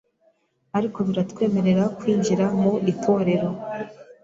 Ariko biratwemerera kwinjira mu itorero.